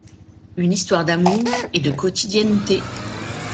Une histoire d’amour et de quotidienneté.